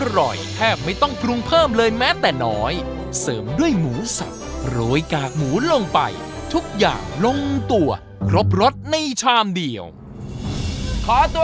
เราได้ทั้งหมดกี่ชามนะคะพี่ก๊อฟ